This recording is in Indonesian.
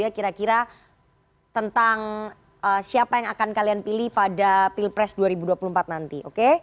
kira kira tentang siapa yang akan kalian pilih pada pilpres dua ribu dua puluh empat nanti